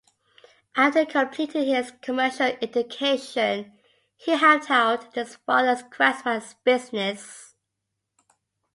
After completing his commercial education, he helped out in his father's craftsman's business.